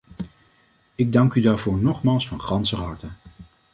Ik dank u daarvoor nogmaals van ganser harte!